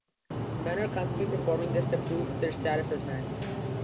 Men are constantly performing this to prove their status as men.